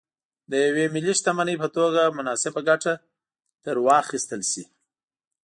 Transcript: د یوې ملي شتمنۍ په توګه مناسبه ګټه ترې واخیستل شي.